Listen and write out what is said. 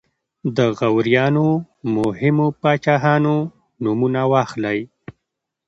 د غوریانو مهمو پاچاهانو نومونه واخلئ.